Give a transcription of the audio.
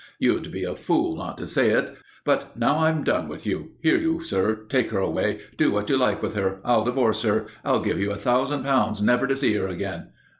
"You'd be a fool not to say it. But now I've done with you. Here, you, sir. Take her away do what you like with her; I'll divorce her. I'll give you a thousand pounds never to see her again."